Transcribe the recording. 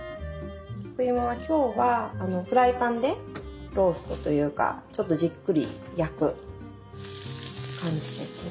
菊芋は今日はフライパンでローストというかちょっとじっくり焼く感じですね